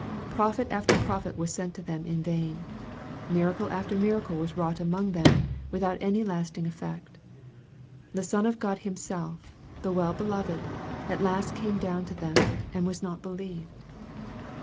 Prophet after prophet was sent to them in vain. Miracle after miracle was wrought among them, without any lasting effect. The Son of God Himself, the well be loved, at last came down to them, and was not believed.